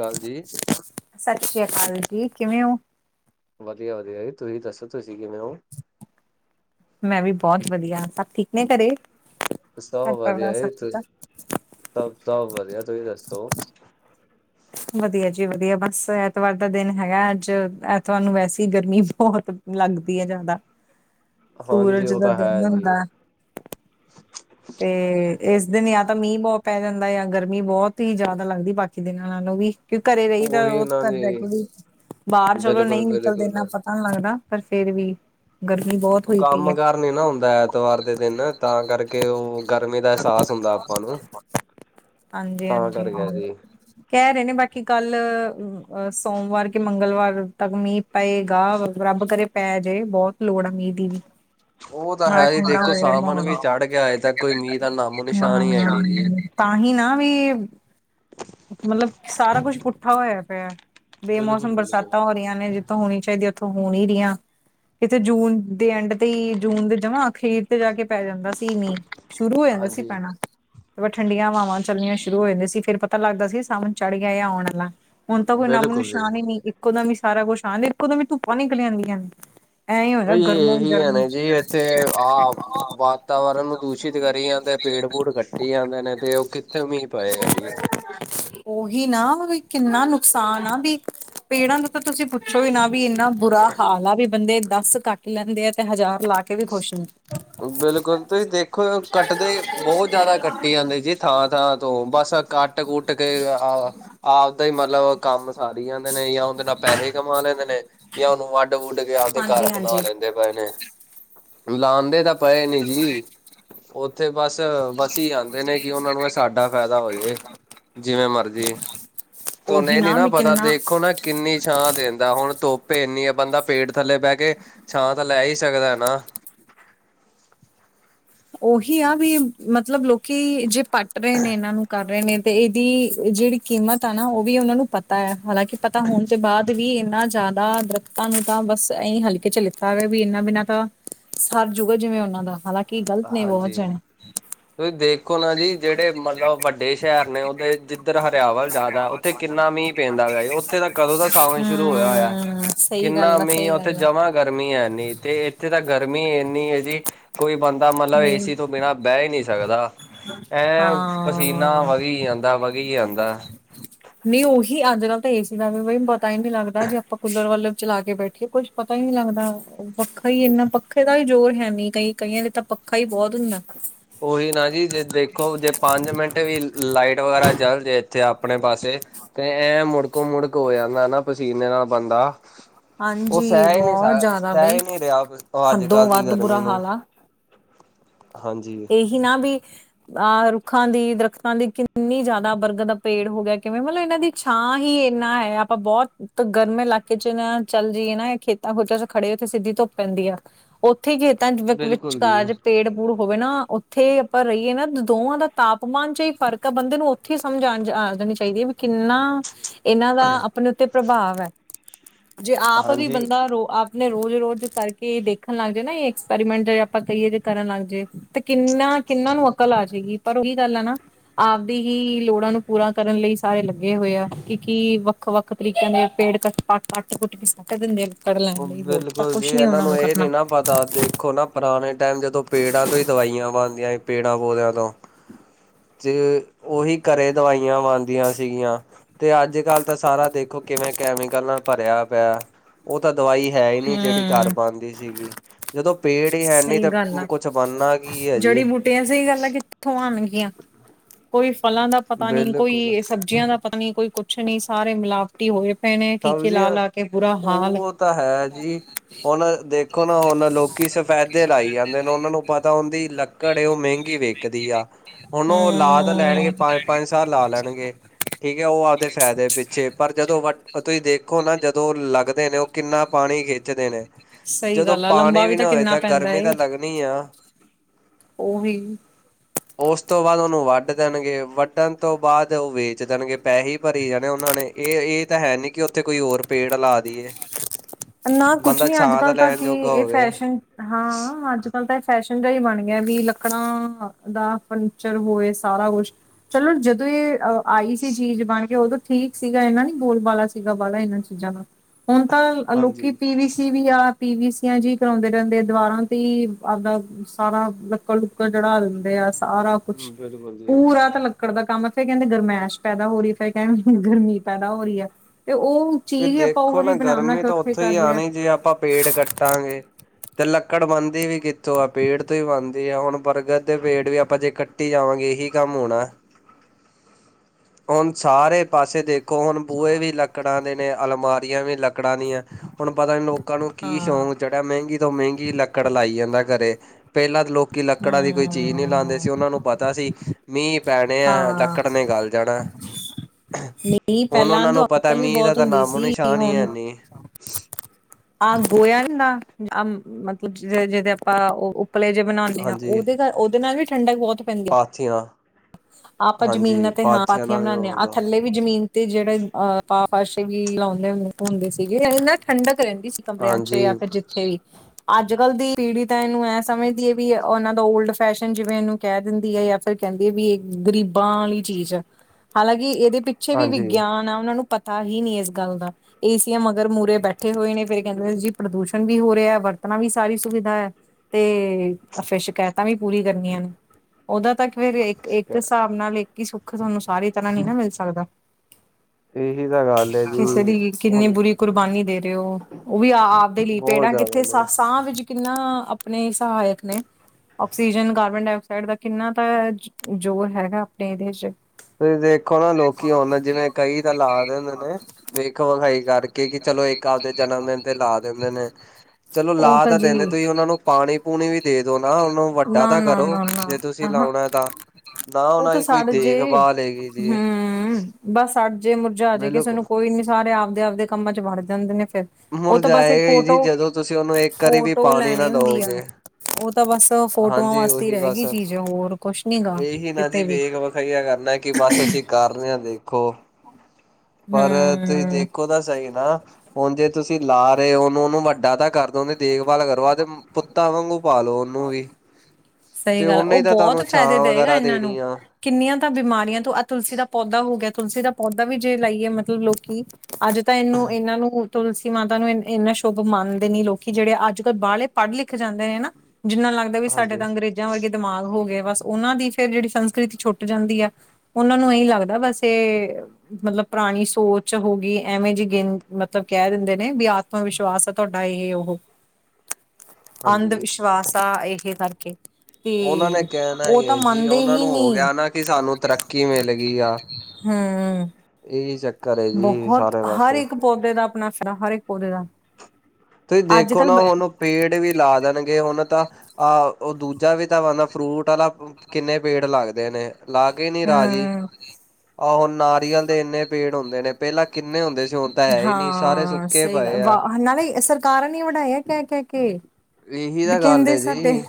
ਕਾਲ ਜੀ ਸਤਿ ਸ੍ਰੀ ਅਕਾਲ ਜੀ, ਕਿਵੇਂ ਔ? ਵਧੀਆ-ਵਧੀਆ ਜੀ, ਤੁਸੀਂ ਦੱਸੋ ਤੁਸੀਂ ਕਿਵੇਂ ਔ? ਮੈਂ ਵੀ ਬਹੁਤ ਵਧੀਆ, ਸਭ ਠੀਕ ਨੇ ਘਰੇ? ਘਰ ਸਭ ਵਧੀਆ ਪਰਿਵਾਰ ਸਭ ਜੀ, ਠੀਕ ਆ? ਸਭ-ਸਭ ਵਧੀਆ, ਤੁਸੀਂ ਦੱਸੋ? ਵਧੀਆ ਜੀ ਵਧੀਆ ਬਸ ਐਤਵਾਰ ਦਾ ਦਿਨ ਹੈਗਾ ਅੱਜ ਐਤਵਾਰ ਨੂੰ ਵੈਸੀ ਗਰਮੀ ਬਹੁਤ ਲੱਗਦੀ ਐ ਜ਼ਿਆਦਾ, ਹਾਂਜੀ ਸੂਰਜ ਉਹ ਦਾ ਤਾਂ ਦਿਨ ਹੈ ਜੀ ਹੁੰਦਾ। ਤੇ ਉਹ ਏਸ ਦਿਨ ਜਾਂ ਤਾਂ ਮੀਂਹ ਬੋਤ ਪੈ ਜਾਂਦਾ ਆ ਗਰਮੀ ਬੋਤ ਈ ਜ਼ਿਆਦਾ ਲੱਗਦੀ ਬਾਕੀ ਦਿਨਾਂ ਵੀ ਕਿਉ ਘਰੇ ਰਈ ਤਾਂ ਉਹੀ ਉਹ ਨਾ ਘਰ ਰਹਿ ਜੀ ਕ ਵੀ ਬਾਰ ਚਲੋ ਬਿਲਕੁਲ ਨਈ ਨਿਕਲਦੇ ਇਨਾ ਬਿਲਕੁਲ ਪਤਾ ਪਤਾ ਲੱਗਦਾ ਪਰ ਫੇਰ ਵੀ, ਗਰਮੀ ਬਹੁਤ ਉਹ ਹੋਈ ਪਈ ਕੰਮ ਐ। ਕਾਰ ਨਾ ਹੁੰਦਾ ਐਤਵਾਰ ਦੇ ਦਿਨ ਤਾਂ ਕਰਕੇ ਉਹ ਗਰਮੀ ਦਾ ਅਹਿਸਾਸ ਹੁੰਦਾ ਆਪਾਂ ਨੂੰ ਤਾਂ ਹਾਂਜੀ-ਹਾਂਜੀ ਹਾਂ। ਕਰਕੇ ਜੀ ਕਹਿ ਰਹੇ ਨੇ ਬਾਕੀ ਕੱਲ ਸੋਮਵਾਰ ਕੇ ਮੰਗਲਵਾਰ ਤੱਕ ਮੀਂਹ ਪਏਗਾ ਰੱਬ ਕਰੇ ਪੈਜੇ ਬੋਤ ਲੋੜ ਆ ਮੀਂਹ ਦੀ ਵੀ ਉਹ ਤਾਂ ਮਾਲ ਹੈ ਜੀ ਠੰਡਾ ਦੇਖੋ ਹੋ ਜਾਂਦਾ ਸਾਵਣ ਹੋਣਾ, ਵੀ ਚੜ੍ਹ ਗਿਆ ਹਜੇ ਤੱਕ ਕੋਈ ਮੀਂਹ ਦਾ ਨਾਮੋ ਨਿਸ਼ਾਨ ਹੀ ਹੈ ਨੀ ਹਾਂ ਜੀ ਤਾਂਹੀ ਨਾ ਵੀ, ਮਤਲਬ ਸਾਰਾ ਕੁਛ ਪੁੱਠਾ ਹੋਇਆ ਪਿਆ। ਬਿਲਕੁਲ ਬੇਮੌਸਮ ਬਿਲਕੁਲ ਬਰਸਾਤਾਂ ਹੋ ਰਹੀਆਂ ਨੇ, ਜਿੱਥੋਂ ਹੋਣੀ ਚਾਹੀਦੀਆਂ, ਉੱਥੋਂ ਹੋ ਨੀ ਰਹੀਆਂ। ਕਿਤੇੇ ਜੂਨ ਦੇ ਐਂਡ ਤੇ ਹੀ ਜੂਨ ਦੇ ਜਮਾ ਆਖੀਰ ਤੇ ਜਾ ਕੇ ਪੈ ਜਾਂਦਾ ਸੀ ਮੀਂਹ ਸੁਰੂ ਹੋ ਜਾਂਦਾ ਸੀ ਹਾਂਜੀ ਪੈਣਾ। ਸਗੋਂ ਠੰਡੀਆਂ ਹਵਾਵਾਂ ਚੱਲਣੀਆਂ ਸ਼ੁਰੂ ਹੋ ਜਾਂਦੀਆਂ ਸੀ, ਫੇਰ ਪਤਾ ਲੱਗਦਾ ਸੀ, ਸਾਵਨ ਚੜ ਗਿਆ ਆ ਆਉਣ ਵਾਲਾ ਹੁਣ ਤਾਂ ਕੋਈ ਨਾਮੋ ਬਿਲਕੁਲ ਜੀ ਨਿਸ਼ਾਨ ਹੀ ਨਹੀਂ, ਇੱਕੋਦਮ ਸਾਰਾ ਕੁਛ ਆ, ਇੱਕੋਦਮ ਧੁੱਪਾਂ ਨਿਕਲ ਆਉਦੀਆਂ। ਓ ਇਹੀ ਹੈ ਨੇ ਜੀ ਇੱਥੇ ਆ ਬਾ ਤਾਵਰਨ ਨੂੰ ਦੂਸ਼ਿਤ ਕਰੀ ਜਾਂਦੇ, ਪੇੜ-ਪੂੜ ਕੱਟੀ ਜਾਂਦੇ ਨੇ 'ਤੇ ਉਹ ਕਿੱਥੇ ਮੀਂਹ ਪਏਗਾ ਜੀ। ਉਹੀ ਨਾ, ਵੀ ਕਿੰਨਾ ਨੁਕਸਾਨ ਆ ਵੀ ਪੇੜਾਂ ਦਾ ਤਾਂ ਤੁਸੀਂ ਪੁੱਛੋ ਨਾ, ਵੀ ਇੰਨਾ ਬੁਰਾ ਹਾਲ ਆ ਵੀ ਬੰਦੇ ਦੱਸ ਕੱਟ ਲੈਂਦੇ ਆ ਤੇ ਹਜ਼ਾਰ ਜਵਾ ਕੇ ਵੀ ਖੁਸ਼ ਨੀਂ। ਬਿਲਕੁਲ ਤੇ ਦੇਖ ਦੇਖੋ ਕੱਟਦੇ, ਬਹੁਤ ਜ਼ਾਦਾ ਕੱਟੀ ਜਾਂਦੇ ਜੀ ਥਾਂ-ਥਾਂ ਤੋਂ, ਬਸ ਕੱਟ-ਕੁੱਟ ਕੇ ਆ ਆਪਦਾ ਹੀ ਮਤਲਬ ਕੰਮ ਸਾਰੀ ਜਾਂਦੇ ਨੇ, ਜਾਂ ਉਹਦੇ ਨਾਲ ਪੈਸੇ ਕਮਾ ਲੈਂਦੇ ਨੇ ਜਾਂ ਉਹਨੂੰ ਵੱਡ ਵੁਡ ਵੁੱਡ ਕੇ ਆਪਦੇ ਘਰ ਹਾਂਜੀ ਹਾਂਜੀ ਬਣਾ ਲੈਂਦੇ ਪਏ ਨੇ, ਲਾਂਦੇ ਤਾਂ ਪਏ ਨੀ ਜੀ। ਉੱਥੇ ਬਸ-ਬਸੀ ਆਉਂਦੇ ਨੇ, ਕਿ ਉਹਨਾਂ ਨੂੰ ਸਾਡਾ ਫੈਦਾ ਹੋ ਜੇ। ਜਿਵੇਂ ਮਰਜ਼ੀ, ਤੁਹਾਨੂੰ ਉਹੀ ਇਹ ਨੀ ਨਾ ਵੀ ਪਤਾ ਕਿੰਨਾ ਦੇਖੋ ਨਾ ਕਿੰਨੀ ਛਾਂ ਦਿੰਦਾ, ਹੁਣ ਧੁੱਪ ਇੰਨੀ ਆ, ਬੰਦਾ ਪੇਟ ਥੱਲੇ ਬਹਿ ਕੇ ਛਾਂ ਤਾਂ ਲੈ ਹੀ ਸਕਦਾ ਨਾ। ਉਹੀ ਆ ਵੀ, ਮਤਲਬ ਲੋਕੀਂ ਜੇ ਪੱਟ ਰਹੇ ਨੇ ਇਹਨਾਂ ਨੂੰ ਕਰ ਰਹੇ ਨੇ, ਤੇ ਇਹਦੀ ਜੇੜੀ ਕੀਮਤ ਆ ਨਾ, ਉਹ ਵੀ ਉਹਨਾਂ ਨੂੰ ਪਤਾ ਐ, ਹਾਲਾਂਕਿ ਪਤਾ ਹੁਣ ਤੋਂ ਬਾਅਦ ਵੀ ਐਨਾ ਜ਼ਿਆਦਾ ਦਰਖਤਾਂ ਨੂੰ ਤਾਂ ਬਸ ਇਹੀ ਹਲਕੇ 'ਚ ਲਿੱਤਾ ਵੀ ਇਹਨਾ ਬਿਨਾਂ ਤਾਂ ਸਰਜੁਗਾ ਜਿਵੇਂ ਉਹਨਾਂ ਦਾ, ਹਾਲਾਂਕਿ ਗ਼ਲਤ ਨੇ ਬਹੁਤ ਹਾਂਜੀ ਚਾਹੇ। ਤੁਸੀਂ ਦੇਖੋ ਨਾ ਜੀ ਜੇੜੇ ਮਤਲਬ ਵੱਡੇ ਸ਼ਹਿਰ ਨੇ ਉਹਦੇ ਜਿੱਧਰ ਹਰਿਆਵਲ ਜ਼ਿਆਦਾ ਉੱਥੇ ਕਿੰਨਾ ਮੀਂਹ ਪੈਂਦਾ ਪਿਆ, ਉੱਥੇ ਤਾਂ ਕਦੋਂ ਦਾ ਸਾਵਣ ਸ਼ੁਰੂ ਹੋਇਆ ਹੋਇਆ, ਹਮ ਸਹੀ ਕਿੰਨਾ ਗੱਲ ਆ ਮੀਂਹ ਸਹੀ ਉੱਥੇ ਗੱਲ ਆ ਜਮਾ ਗਰਮੀ ਹੈਨੀ, ਤੇ ਇੱਥੇ ਤਾਂ ਗਰਮੀ ਐਨੀ ਇਹ ਜੀ ਤਾਂ ਮਤਲਬ ਏ ਨਹੀਂ ਸੀ ਤੋਂ ਬਿਨਾਂ ਬਹਿ ਹੀ ਨੀ ਸਕਦਾ। ਐ ਪਸੀਨਾ ਹਾਂ ਵਘੀ ਜਾਂਦਾ, ਵਘੀ ਜਾਂਦਾ। ਨਹੀਂ ਉਹੀ ਅੱਜ-ਕੱਲ ਤਾਂ ਏ ਸੀ ਦਾ ਵੀ, ਬ ਪਤਾ ਹੀ ਨਹੀਂ ਲੱਗਦਾ ਜੇ ਆਪਾਂ ਕੂਲਰ ਵੱਲ ਚਲਾ ਕੇ ਬੈਠੀਏ ਕੁੱਛ ਪਤਾ ਹੀ ਨੀ ਲੱਗਦਾ, ਪੱਖਾ ਹੀ ਇੰਨਾ ਪੱਖੇ ਦਾ ਹੀ ਜ਼ੋਰ ਹੈ ਨੀ, ਕਈ ਕਈਆਂ ਦੇ ਤਾਂ ਪੱਖਾ ਹੀ ਬੋਤ ਹੁੰਦਾ। ਉਹੀ ਨਾ ਜੀ, ਜੇ ਦੇਖੋ, ਜੇ ਪੰਜ ਮਿੰਟ ਵੀ ਲਾਈਟ ਵਗੈਰਾ ਚਲ ਜੇ ਇੱਥੇ ਆਪਣੇ ਪਾਸੇ ਤੇ ਐ ਮੁੜਕ-ਮੁੜਕ ਹੋ ਜਾਂਦਾ ਨਾ ਪਸੀਨੇ ਨਾਲ ਬੰਦਾ ਉਹ ਹਾਂਜੀ ਸਹਿ ਸ, ਬਹੁਤ ਜ਼ਿਆਦਾ ਬਈ ਸਹਿ ਨਹੀਂ ਰਿਹਾ, ਉਹ ਅੱਜ -ਕੱਲ ਹੱਦੋਂ ਦੀ ਵੱਧ ਗਰਮੀ ਬੁਰਾ ਨੂੰ ਹਾਲ ਆ ਹਾਂਜੀ। ਕਿੰਨਾ ਵੀ ਆ, ਰੁੱਖਾਂ ਦੀ, ਦਰਖਤਾਂ ਦੀ ਕਿੰਨੀ ਜ਼ਿਆਦਾ ਬਰਗਤ ਦਾ ਪੇੜ ਹੋ ਗਿਆ ਕਿਵੇਂ ਮਤਲਬ ਇਹਨਾਂ ਦੀ ਛਾਂ ਹੀ ਐਨਾ ਹੈ, ਆਪਾਂ ਬਹੁਤ ਗਰਮ ਇਲਾਕੇ 'ਚ ਨਾ ਚੱਲ ਜਾਈਏ ਨਾ ਖੇ ਤਾਂ ਬੂਟਾਂ 'ਚ ਖੜੇ, ਉੱਥੇ ਸਿੱਧੀ ਧੁੱਪ ਪੈਂਦੀ ਆ, ਉੱਥੇ ਹੀ ਖੇਤਾਂ ਵਿਚ ਬਿਲਕੁਲ ਜੀ ਵਿਚਕਾਰ ਪੇੜ ਪੂੜ ਹੋਵੇ ਨਾ, ਉੱਥੇ ਆਪਾਂ ਰਹੀਏ ਨਾ, ਦੋਵਾਂ ਦਾ ਤਾਪਮਾਨ 'ਚ ਹੀ ਫਰਕ ਆ, ਬੰਦੇ ਨੂੰ ਉੱਥੇ ਸਮਝ ਆ ਆਉਣੀ ਚਾਹੀਦੀ ਐ, ਵੀ ਕਿੰਨਾ ਇਹਨਾਂ ਦਾ ਆਪਣੇ ਉੱਤੇ ਪ੍ਰਭਾਵ ਐ, ਜੇ ਆਪ ਵੀ ਹਾਂਜੀ ਬੰਦਾ ਰੋ ਆਪ ਰੋਜ਼-ਰੋਜ਼ ਕਰਕੇ ਦੇਖਣ ਲੱਗ ਜਾਏ ਨਾ ਇਹ ਐਕਸਪੈਰੀਮੈਂਟ, ਜੇ ਆਪਾਂ ਕਹੀਏ ਜੇ ਕਰਨ ਲੱਗ ਜਾਏ ਤੇ ਕਿੰਨਾ-ਕਿੰਨਾ ਨੂੰ ਅਕਲ ਆ ਜਾਏਗੀ, ਪਰ ਉਹੀ ਗੱਲ ਆ ਨਾ। ਆਪਦੀ ਹੀ ਲੋੜਾਂ ਨੂੰ ਪੂਰਾ ਕਰਨ ਲਈ ਸਾਰੇ ਲੱਗੇ ਹੋਏ ਆ ਕਿ, ਕੀ ਵੱਖ-ਵੱਖ ਤਰੀਕਿਆਂ ਦੇ ਪੇੜ ਕੱ ਉਹ [unintelligible] ਬਿਲਕੁਲ ਜੀ ਕੁਛ ਨੀ ਇਹਨਾਂ ਉਨਾਂ ਨੂੰ ਇਹ ਨੀ ਕਰਨਾ। ਨਾ ਪਤਾ ਦੇਖੋ ਨਾ ਪੁਰਾਣੇ ਟਾਈਮ ਜਦੋਂ ਪੇੜਾਂ ਤੋਂ ਹੀ ਦਵਾਈਆਂ ਬਣਦੀਆਂ ਸੀ, ਪੇੜਾਂ ਪੌਦਿਆਂ ਤੋਂ ਤੇ ਉਹੀ ਘਰੇ ਦਵਾਈਆਂ ਬਨਦੀਆਂ ਸੀਗੀਆਂ। ਤੇ ਅੱਜ ਕੱਲ੍ਹ ਤਾਂ ਸਾਰਾ ਦੇਖੋ ਕਿਵੇਂ ਕੈਮੀਕਲ ਨਾਲ ਭਰਿਆ ਪਿਆ। ਔ ਤਾਂ ਦਵਾਈ ਹੈ ਈ ਨਈ ਜੇੜੀ ਘਰ ਹੂੰ ਬਣਦੀ ਸੀਗੀ। ਜਦੋਂ ਪੇੜ ਹੀ ਹੈਨੀ ਸਹੀ ਤਾਂ ਕੁੱਛ ਬਣਨਾ ਕੀ ਐ ਜੀ। ਤੇ ਐ ਸਈ ਗੱਲ ਐ ਕਿ ਕਿੱਥੋਂ ਆਣਗੀਆਂ ਕੋਈ ਫਲਾਂ ਦਾ ਪਤਾ ਨੀ ਬਿਲਕੁਲ। ਕੋਈ ਸਬ ਜੀਆਂ ਦਾ ਪਤਾ ਨਈ ਕੋਈ ਕੁੱਛ ਨੀ ਸਾਰੇ ਮਿਲਾਵਟੀ ਹੋਏ ਪਏ ਨੇ ਟੀਕੇ ਸਬਜ਼ੀਆਂ ਲਾ-ਲਾ ਕੇ ਬੁਰਾ ਹਾਲ ਉਹ ਤਾਂ ਹੈ ਜੀ ਹੁਨ ਦੇਖੋ ਨਾ ਹੁਨ ਲੋਕ ਕਿ ਸਫੇਦੇ ਲਾਈ ਜਾਂਦੇ ਨੇ ਉਨਾਂ ਨੂੰ ਪਤਾ ਉਂਦੀ ਲੱਕੜ ਏ ਔ ਮੈਂਗੀ ਵਿਕਦੀ ਆ। ਹੁਨ ਹੂੰ। ਔ ਲਾ ਤਾਂ ਲੈਣਗੇ ਪੰਜ-ਪੰਜ ਤਾਂ ਲਾ ਲੈਣਗੇ ਠੀਕ ਏ ਔ ਆਪਦੇ ਫਾਇਦੇ ਪਿੱਛੇ ਪਰ ਜਦੋਂ ਵਟ ਤੁਸੀਂ ਦੇਖੋ ਨਾ ਜਦੋਂ ਲੱਗਦੇ ਨੇ ਔ ਕਿੰਨਾ ਪਾਣੀ ਖਿੱਚਦੇ ਨੇ। ਸਹੀ ਜਦੋਂ ਗੱਲ ਆ ਪਾਣੀ ਲੰਬਾ ਵੀ ਨਾ ਹੋਏ ਕਿੰਨਾ ਤਾਂ ਪੈਂਦਾ ਗਰਮੀ ਤਾਂ ਲੱਗਨੀ ਆ। ਔਵੀ। ਉਸ ਤੋਂ ਬਾਦ ਉਨੂੰ ਵੱਢ ਦੇਨਗੇ ਵੱਢਨ ਤੋਂ ਬਾਦ ਉਹ ਵੇਚ ਦੇਨਗੇ ਪੈਸੇ ਭਰੀ ਜਾਣੇ ਉਨਾਂ ਨੇ। ਏ ਇਹ ਤਾਂ ਹੈ ਨੀ ਕਿ ਓਥੇ ਕੋਈ ਹੋਰ ਪੇੜ ਲਾ ਦੀਏ ਨਾ ਕੁੱਛ ਬੰਦਾ ਨੀ ਅੱਜ ਛਾਂ ਕੱਲ ਤਾਂ ਲੈਣ ਕੀ ਜੋਗਾ ਏ ਹੋਵੇ ਫੈਸ਼ਨ ਹਾਂ ਅੱਜ ਕਲ ਤਾਂ ਫੈਸ਼ਨ ਜਾ ਈ ਬਣ ਗਿਆ ਵੀ ਲੱਕੜਾਂ ਦਾ ਫਰਨਿਚਰ ਹੋਵੇ ਸਾਰਾ ਕੁੱਛ ਚਲੋ ਜਦੋਂ ਏ ਅ ਆਈ ਸੀ ਚੀਜ਼ ਬਣ ਕੇ ਉਦੋਂ ਠੀਕ ਸੀਗਾ ਇਨਾਂ ਨੀ ਬੋਲਬਾਲਾ ਸੀਗਾ ਵਾਲਾ ਇਨਾਂ ਚੀਜ਼ਾਂ ਦਾ ਹੁਣ ਤਾਂ ਆ ਲੋਕੀ ਹਾਂਜੀ ਪੀ ਵੀ ਸੀ ਵੀ ਆ ਪੀ ਵੀ ਸੀ ਆਂ ਜੀ ਕਰਾਉਂਦੇ ਰੇਂਦੇ ਦੀਵਾਰਾਂ ਤੇ ਆਪਦਾ ਸਾਰਾ ਲੁੱਕਾ ਚੜਾ ਦਿੰਦੇ ਆ ਸਾਰਾ ਕੁੱਛ ਬਿਲਕੁਲ ਜੀ ਪੂਰਾ ਤਾਂ ਲ ਲੱਕੜ ਦਾ ਕੰਮ ਆ ਫੇਰ ਕਹਿੰਦੇ ਗਰਮੈਸ਼ ਪੈਦਾ ਹੋਰੀ ਫੇਰ ਕੈਣ ਗਰਮੀ ਪੈਦਾ ਹੋਰੀ ਐ ਤੇ ਔ ਚੀਜ਼ ਈ ਆਪਾਂ ਉਹੋ ਜਿਹੀ ਬਣਾਉਣਾ [unintelligible] ਉੱਥੇ ਈ ਆਣੀ ਜੇ ਆਪਾਂ ਪੇੜ ਕੱਟਾਂਗੇ। ਤੇ ਲੱਕੜ ਬੰਨਦੀ ਵੀ ਕਿੱਥੋਂ ਆ ਪੇੜ ਤੋਂ ਹੀ ਬਣਦੀ ਆ ਹੁਨ ਬਰਗਦ ਦੇ ਪੇੜ ਵੀ ਆਪਾਂ ਜੇ ਕ ਟੀ ਜਾਵਾਂਗੇ ਏਹੀ ਕੰਮ ਹੋਣਾ। [inaudible] ਹੁਨ ਸਾਰੇ ਪਾਸੇ ਦੇਖੋ ਹੁਨ ਬੂਹੇ ਵੀ ਲੱਕੜਾਂ ਦੇ ਨੇ ਅਲਮਾਰੀਆਂ ਵੀ ਲੱ ਕੜਾ ਦੀਆਂ ਆ ਹੁਨ ਪਤਾ ਨੀ ਲੋਕਾਂ ਨੂੰ ਕੀ ਹਾਂ ਸ਼ੌਂ ਚੜਿਆ ਮੈਂਗੀ ਤੋਂ ਮੈਂਗੀ ਲੱਕੜ ਲਾਈ ਜਾਂਦਾ ਘਰੇ ਪੈਲਾਂ ਤਾਂ ਲੋਕੀ ਲੱਕੜਾਂ ਦੀ ਕੋਈ ਜੀ ਨੀ ਲਾਂਦੇ ਹਮ ਸੀ ਉਨਾਂ ਨੂੰ ਪਤਾ ਸੀ। ਮੀਂਹ ਪੈਣੇ ਆ ਹਾਂ ਲੱਕੜ ਨੇ ਗਲ ਜਾਣਾ ਨਹੀਂ ਹੁਨ ਪਹਿਲਾਂ ਉਨਾਂ ਤਾਂ ਨੂੰ ਪ ਐ ਮੀਂ ਦਾ ਤਾਂ ਨਾਮੋ ਨਿਸ਼ਾਨ ਈ ਐਨੀ। ਆ ਗੋਆ ਏ ਨਾ ਆ ਮਤਲਬ ਜ ਜਿਦੇ ਆਪਾਂ ਔ ਪਲੇ ਜੇ ਬਣਾਂਨੇ ਆ ਹਾਂਜੀ ਉਦੇ ਨਾ ਉਦੇ ਨਾਲ ਵੀ ਠੰਡਕ ਬੋਤ ਪਾਥੀਆਂ। ਆਪਾਂ ਜਮੀਨਾਂ ਹਾਂਜੀ ਤੇ ਹਾਂ ਪਾਥੀਆਂ ਨਾਲ ਵੀ ਬਣਾਨੇ ਆ। ਆ ਉਹਦਾ ਥੱਲੇ ਵੀ ਜ਼ਮੀਨ ਤੇ ਜਿੜੇ ਅ ਪਾ ਪਾਸ਼ੇ ਵੀ ਲਾਂਉਦੇ ਹੁੰਦੇ ਸੀਗੇ ਏਦੇ ਨਾਲ ਠੰਡਕ ਰੈਂਦੀ ਸੀ। ਕਮਰਿਆਂ 'ਚੋ ਹਾਂਜੀ ਯਾਂ ਫੇਰ ਜਿੱਥੇ ਵੀ ਅੱਜ ਕੱਲ ਦੀ ਪੀੜ੍ਹੀ ਤਾਂ ਇਨੂੰ ਐ ਸਮਝਦੀ ਏ ਵੀ ਉਨਾਂ ਦਾ ਓਲਡ ਫੈਸ਼ਨ ਜਿਵੇਂ ਇਨੂੰ ਕੈ ਦਿੰਦੀ ਏ ਯਾਂ ਫੇਰ ਕੈ ਏ ਵੀ ਗ਼ਰੀਬਾਂ ਵਾਲੀ ਚੀਜ਼ ਐ ਹਾਲਾਂਕਿ ਇਦੇ ਪਿੱਛੇ ਵੀ ਹਾਂਜੀ ਵਿਗਿਆਨ ਆ ਉਨਾਂ ਨੂੰ ਪ ਤਾਂ, ਹੀ ਨੀ ਇਸ ਗੱਲ ਦਾ ਏਸੀਆਂ ਮਗਰ ਮੂਹਰੇ ਬੈਠੇ ਹੋਏ ਨੇ, ਫਿਰ ਕਹਿੰਦੇ ਜੀ ਪ੍ਰਦੂਸ਼ਣ ਵੀ ਹੋ ਰਿਹਾ ਹੈ, ਵਰਤਣਾ ਵੀ ਸਾਰੀ ਸੁਵਿਧਾ ਹੈ ਤੇ। ਤੇ ਫੇ ਸ਼ਿਕਾਇਤਾਂ ਵੀ ਪੂਰੀ ਕਰਨੀਆਂ ਨੇ, ਉਹਦਾ ਤਾਂ ਫ਼ੇਰ ਇੱਕ, ਇੱਕ ਹਿਸਾਬ ਨਾਲ ਇੱਕ ਕਿ ਸੁੱਖ ਸਾਨੂੰ ਸਾਰੀ ਤਰ੍ਹਾਂ, ਨਹੀਂ ਨਾ ਮਿਲ ਸਕਦਾ। ਇਹੀ ਗੱਲ। ਹੈ ਕਿਸੇ ਜੀ ਦੀ, ਕਿੰਨੀ ਹੁਣ ਬੁਰੀ ਕੁਰਬਾਨੀ ਦੇ ਰਹੇ ਹੋ। ਉਹ ਵੀ ਆਪਦੇ ਲਈ ਬਹੁਤ ਪੇੜਾ ਜ਼ਿਆਦਾ ਕਿੱਥੇ ਨੇ ਸਾਹ ਸਾ ਵਿੱਚ ਕਿੰਨਾ ਆਪਣੇ ਸਹਾਇਕ ਨੇ, ਆਕਸੀਜਨ, ਕਾਰਬਨ ਡਾਇਆਕਸਾਈਡ, ਦਾ ਕਿੰਨਾ ਤ ਜੋ ਹੈਗਾ। ਆਪਣੇ ਇਹਦੇ ਚ। ਤੁਸੀਂ ਦੇਖੋ ਨਾ, ਲੋਕੀ ਹੁਣ ਜਿਵੇਂ ਕਈ ਤਾਂ ਲਾ ਦੇ ਹੁੰਦੇ ਨੇ, ਵੇਖ ਵਖਾਈ ਕਰ ਕੀ ਕੀ ਚਲੋ, ਇੱਕ ਆਪਦੇ ਜਨਮ ਦਿਨ ਤੇ ਲਾ ਦਿੰਦੇ ਨੇ। ਚਲੋ ਉਹ ਲਾ ਤਾਂ ਜੀ ਦਿੰਦੇ। ਤੁਸੀਂ ਉਹਨਾ ਨੂੰ ਪਾਣੀ, ਪੂਣੀ ਵੀ ਦੇ ਦੋ ਨਾ, ਉਹਨੂੰ ਵੱਡਾ ਨਾ ਤਾਂ ਨਾ ਕਰੋ। ਨਾ ਨਾ ਜੇ ਤੁਸੀਂ ਆਹਾਂ ਲਾਉਣਾ ਤਾ, ਨਾ ਉਹਨਾਂ ਦੀ ਕੋਈ ਦੇਖ ਹਮ। [unintelligible] ਬੱਸ ਆਜੇ ਜੇ ਮੁਰਝਾ ਜੇ, ਕਿਸੇ ਬਿਲਕੁਲ ਨੂੰ ਕੋਈ ਨੀ ਸਾਰੇ, ਆਪਦੇ-ਆਪਦੇ ਕੰਮਾਂ ਚ ਵੜ ਜਾਂਦੇ ਨੇ ਫਿਰ। ਉਹ ਤਾਂ, ਬੱਸ ਇੱਕ ਮੁਰਝਾਏਗਾ ਹੀ ਜੀ ਫੋਟੋ, ਜਦੋਂ ਤੁਸੀਂ ਉਹਨੂੰ ਇੱਕ ਵਾਰੀ ਵੀ ਫੋਟੋ ਪਾਣੀ ਨਾ ਲੈਣੀ ਹੁੰਦੀ ਆ। ਦਓਗੇ। ਉਹ ਤਾਂ ਬੱਸ ਫੋਟੋਆਂ ਹਾਂਜੀ ਵਾਸਤੇ ਉਹੀ ਰਹਿ ਬਸ। ਗਈ ਸੀ ਜੇ, ਹੋਰ ਕੁਛ ਨੀ ਗਾ। ਇਹੀ ਨਾ ਕਿਤੇ ਜੀ ਵੀ। ਵੇਖ ਵਖਾਈਆ ਕਰਨਾ। ਕਿ ਬੱਸ ਅਸੀਂ ਕਰ ਰਹੇ ਹਾਂ ਦੇਖੋ? ਪਰ ਤੁਸੀਂ ਹੂੰ। ਦੇਖੋ ਤਾਂ ਸਹੀ ਨਾ, ਹੁਣ ਜੇ ਤੁਸੀਂ ਲਾ ਉਹਨੂੰ, ਉਹਨੂੰ ਵੱਡਾ ਤਾਂ ਕਰਦੋ ਓਦੀ ਦੇਖਭਾਲ ਕਰੋ, ਤੇ ਪੁੱਤਾਂ ਵਾਂਗੂ ਪਾ ਲਓ ਉਹਨੂੰ ਨੂੰ ਵੀ, ਸਹੀ ਤੇ ਗੱਲ ਉਹ ਉਹਨੇ ਤਾਂ ਬਹੁਤ ਤੁਹਾਨੂੰ ਫਾਇਦੇ ਛਾਂ ਦੇਵੇਗਾ ਵਗੈਰਾ ਇਹਨਾਂ ਦੇਣੀ ਨੂੰ ਆ। ਕਿੰਨੀਆਂ ਤਾਂ ਬਿਮਾਰੀਆਂ ਤੋਂ, ਆਹ ਤੁਲਸੀ ਦਾ ਪੌਦਾ ਹੋ ਗਿਆ। ਤੁਲਸੀ ਦਾ ਪੌਦਾ ਵੀ ਜੇ ਲਾਈਏ ਮਤਲਬ ਲੋਕੀਂ ਅੱਜ ਤਾਂ ਇਹਨੂੰ, ਇਹਨਾਂ ਨੂੰ ਤੁਲਸੀ ਮਾਤਾ ਨੂੰ ਇੰਨਾ ਸ਼ੁਭ ਮੰਨਦੇ ਨੀ ਲੋਕੀ, ਜਿਹੜੇ ਅੱਜ ਕੱਲ੍ਹ ਬਾਹਲੇ ਪੜ੍ਹ, ਲਿਖ ਜਾਂਦੇ ਨੇ ਨਾ। ਲੱਗਦਾ ਵੀ ਸਾਡੇ ਹਾਂਜੀ ਤਾਂ ਅੰਗਰੇਜ਼ਾਂ ਵਰਗੇ ਦਿਮਾਗ ਹੋਗੇ ਬੱਸ, ਉਹਨਾਂ ਦੀ ਫਿਰ ਜਿਹੜੀ ਸੰਸਕ੍ਰਿਤੀ ਛੁਟ ਜਾਂਦੀ ਐ। ਉਹਨਾਂ ਨੂੰ ਇਹੀ ਲੱਗਦਾ, ਬੱਸ ਇਹ ਮਤਲਬ ਪੁਰਾਣੀ ਸੋਚ ਹੋ ਗਈ। ਐਵੇਂ ਜਿ ਗਿਣ ਮਤਲਬ ਕਹਿ ਦਿੰਦੇ ਨੇ ਵੀ ਬਈ ਆਤ ਤਮ ਵਿਸ਼ਵਾਸ ਆ ਤੁਹਾਡਾ ਇਹੇ ਉਹ, ਅੰਧ ਹਾਂਜੀ। ਵਿਸ਼ਵਾਸ ਆ, ਇਹੇ ਕਰਕੇ। ਤੇ ਉਹਨਾਂ ਨੇ ਕਹਣਾ ਉਹ ਹੀ ਤਾਂ ਹੈ ਜੀ, ਮੰਨਦੇ ਉਹਨਾਂ ਹੀ ਨੂੰ ਹੋ ਨਹੀਂ ਗਿਆ ਨਾ, ਕਿ ਸਾਨੂੰ ਤਰੱਕੀ ਮਿਲ ਗਈ ਆ। ਹੂੰ। ਏਹੀ, ਚੱਕਰ ਏ ਜੀ ਸਾਰੇ ਬੱਸ। ਹਰ ਇੱਕ ਪੌਦੇ ਦਾ, ਆਪਣਾ ਸਰਾ ਹਰ ਇੱਕ ਪੌਦੇ ਦਾ। ਤੁਸੀਂ, ਅੱਜ ਦੇਖੋ। ਨਾ ਕੱਲ੍ਹ ਹੁਣ ਪੇੜ ਵੀ ਲਾ ਦੇਣਗੇ। ਹੁਣ ਤਾਂ ਆਹ ਉਹ ਦੂਜਾ ਵੀ ਤਾਂ, ਮਤਲਬ ਫਰੂਟ ਵਾਲਾ। ਕਿੰਨੇ ਪੇੜ ਲੱਗਦੇ ਨੇ, ਲਾ ਕੇ ਨੀ ਰਾਜੀ, ਹਮ ਔ ਨਾ ਨਾਰੀਅਲ ਦੇ ਇੰਨੇ ਪੇੜ ਹੁੰਦੇ ਨੇ। ਪਹਿਲਾਂ ਕਿੰਨੇ ਹੁੰਦੇ ਸੀ। ਹੁਣ ਤਾਂ ਹੈ ਹੀ ਨਹੀਂ, ਸਾਰੇ ਹਾਂ ਸੁੱਕੇ ਸਹੀ ਗੱਲ ਪਏ ਆ। ਵਾਹ ਨਾਲੇ ਸਰਕਾਰਾਂ ਨੇ ਵੜਾਇਆ, ਕਹਿ-ਕਹਿ ਕੇ ਇਹੀ ਵੀ ਤਾਂ ਗੱਲ ਕਹਿੰਦੇ, ਹੈ ਸਾਡੇ। ਜੀ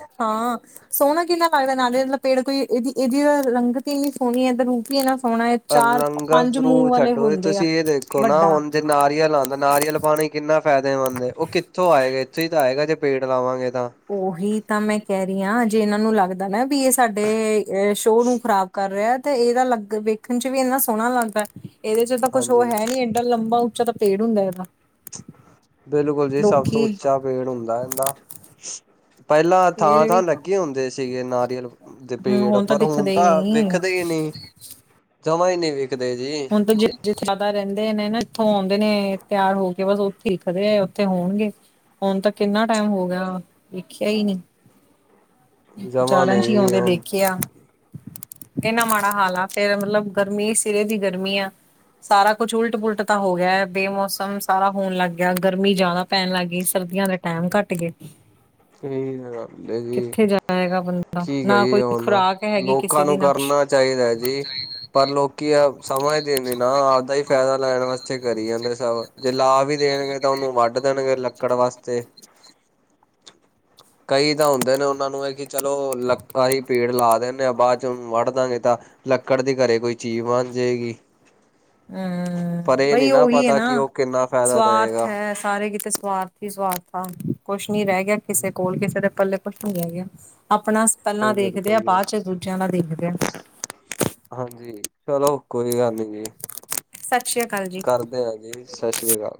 ਸੋਹਣਾ ਕਿੰਨਾ ਲੱਗਦਾ ਨਾਲੇ ਬ ਪੇੜ, ਕੋਈ ਇਹਦੀ- ਇਹਦੀ ਰੰਗਤੀ ਹੀ ਸੋਹਣੀ ਹੈ, ਤੇ ਰੂਪ ਵੀ ਏਨਾ ਸੋਹਣਾ ਹੈ ਚਾਰ, ਰੰਗਤ ਪੰਜ ਮੂੰਹ ਰੂਪ ਵਾਲੇ ਛੱਡੋ ਹੁੰਦੇ ਆ ਤੁਸੀਂ ਇਹ ਦੇਖੋ ਨਾ ਵੱਡਾ। ਹੁਣ ਜੇ ਨਾਰੀਅਲ ਆਉਂਦਾ [unintelligible] ਨਾਰੀਅਲ ਪਾਣੀ ਕਿੰਨਾ ਫਾਇਦੇਮੰਦ ਏ, ਉਹ ਕਿੱਥੋਂ ਆਏਗਾ। ਇੱਥੋਂ ਹੀ ਤਾਂ ਆਏਗਾ। ਜੇ ਪੇੜ ਲਾਵਾਂਗੇ ਤਾਂ। ਉਹੀ ਤਾਂ ਮੈਂ ਕਹਿ ਰਹੀ ਹਾਂ। ਜੇ ਇਹਨਾਂ ਨੂੰ ਲੱਗਦਾ ਨਾ ਵੀ ਇਹ ਸਾਡੇ ਸ਼ੋਅ ਨੂੰ ਖ਼ਰਾਬ ਕਰ ਰਿਹਾ। ਤੇ ਇਹਦਾ ਲੱਗ ਵੇਖਣ ਚ ਵੀ ਇੰਨਾ ਸੋਹਣਾ ਲੱਗਦਾ। ਇਹਦੇ ਚ ਤਾਂ ਕੁੱਛ, ਉਹ ਹਾਂਜੀ ਹੈ ਨੀ, ਏਡਾ ਲੰਬਾ, ਉੱਚਾ ਤਾਂ ਪੇੜ ਹੁੰਦਾ ਇਹਦਾ। ਬਿਲਕੁਲ ਜੀ। ਸਭ ਤੋਂ ਲੋਕੀ ਉੱਚਾ ਪੇੜ ਹੁੰਦਾ ਏਨਾ। ਪਹਿਲਾਂ ਇਹ ਥਾਂ-ਥਾਂ ਵੀ ਲੱਗੇ ਹੁੰਦੇ ਸੀਗੇ ਨਾਰੀਅਲ ਦੇ ਹਮ ਪੇੜ ਤਾਂ ਪਰ ਹੁਣ ਦਿਖਦੇ ਹੀ ਤਾਂ ਨਹੀਂ ਵੇਖਦੇ ਈ ਨੀ ਜਮਾਂ ਈ ਨੀ ਵਿਕਦੇ ਜੀ। ਜਿਆਦਾ ਰਹਿੰਦੇ ਨੇ ਨਾ ਇੱਥੋਂ ਆਉਂਦੇ ਨੇ ਤਿਆਰ ਹੋ ਕੇ ਬਸ ਉਹ ਦਿਖਦੇ ਐ ਉੱਥੇ ਹੋਣਗੇ? ਹੁਣ ਤਾਂ ਕਿੰਨਾ ਟਾਈਮ ਹੋ ਗਿਆ ਵੇਖਿਆ ਹੀ ਨੀ। ਜਮਾਂ ਚਾਰਨ ਨੀ ਚ ਜੀ ਆਉਂਦੇ ਹੁਣ ਦੇਖੇ ਆ। ਇੰਨਾ ਮਾੜਾ ਹਾਲ ਆ ਫਿਰ ਗਰਮੀ ਸਿਰੇ ਦੀ ਗਰਮੀ ਆ। ਸਾਰਾ ਕੁਝ ਉਲਟ, ਪੁਲਟ ਤਾਂ ਹੋ ਗਿਆ, ਬੇਮੌਸਮ ਸਾਰਾ ਹੋਣ ਲੱਗ ਗਿਆ ਗਰਮੀ ਜ਼ਿਆਦਾ ਪੈਣ ਲੱਗ ਗਈ ਸਰਦੀਆਂ ਦੇ ਟਾਈਮ ਘੱਟ ਗੇ। ਇਹੀ ਤਾਂ ਗੱਲ ਐ ਜੀ ਬੰਦਾ ਕੀ ਨਾ ਕੋਈ ਕਹੀਏ, ਹੁਣ ਖੁਰਾਕ ਹੈਗੀ ਲੋਕਾਂ ਕਿਸੇ ਦੀ ਨੂੰ ਨਾ ਕੁਛ ਕਰਨਾ ਹੂੰ ਚਾਹੀਦਾ ਜੀ। ਪਰ ਲੋਕੀ ਆ ਸਮਝ ਦੇ ਨੀ ਨਾ ਆਵਦਾ ਈ ਫਾਇਦਾ ਲੈਣ ਵਾਸਤੇ ਕਰੀ ਜਾਂਦੇ ਸਭ ਜੇ ਲਾ ਵੀ ਦੇਣਗੇ ਤਾਂ ਉਹਨੂੰ ਵੱਢ ਦੇਣਗੇ ਲੱਕੜ ਵਾਸਤੇ ਕਈ ਤਾਂ ਹੁੰਦੇ ਨੇ ਉਹਨਾਂ ਨੂੰ ਇਹ ਕਿ ਚਲੋ ਲਕ ਅਸੀ ਪੇੜ ਲਾ ਦੀਨੇ ਆ ਬਾਅਦ ਚ ਵੱਢ ਦਾਂਗੇ ਤਾਂ ਲੱਕੜ ਦੇ ਘਰੇ ਕੋਈ ਚੀਜ਼ ਬਣ ਜਾਏਗੀ। ਪਰ ਹੂੰ ਇਹ ਨੀ ਬਈ ਉਹੀ ਐ ਪਤਾ ਨਾ ਕਿ ਉਹ ਕਿੰਨਾ ਫਾਇਦਾ ਸਵਾਰਥ ਦਏਗਾ। ਐ ਸਾਰੇ ਕਿਤੇ ਸਵਾਰਥ ਸਵਾਰਥ ਆ ਕੁਛ ਨੀ ਰਹਿ ਗਿਆ ਕਿਸੇ ਕੋਲ ਕਿਸੇ ਦੇ ਪੱਲੇ ਕੁਛ ਨੀ ਰਹਿ ਗਿਆ ਆਪਣਾ ਪਹਿਲਾ ਦੇਖਦੇ ਆ ਬਿਲਕੁਲ ਜੀ। ਬਾਅਦ ਚ ਦੂਜਿਆਂ ਦਾ ਦੇਖਦੇ ਆ। ਹਾਂਜੀ ਚਲੋ ਕੋਈ ਗੱਲ ਨੀ ਜੀ। ਸਤਿ ਸ੍ਰੀ ਅਕਾਲ। ਜੀ। ਕਰਦੇ ਹਾਂ ਜੀ, ਸਤਿ ਸ੍ਰੀ ਅਕਾਲ